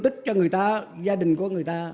tích cho người ta gia đình của người ta